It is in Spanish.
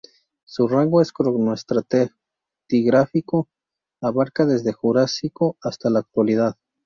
Su rango cronoestratigráfico abarca desde el Jurásico hasta la actualidad.